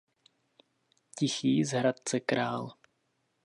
Tichý z Hradce Král.